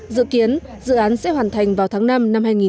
dự kiến dự án sẽ hoàn thành vào tháng năm năm hai nghìn một mươi chín